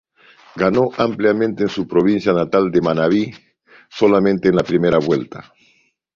Ganó ampliamente en su provincia natal de Manabí solamente en la primera vuelta.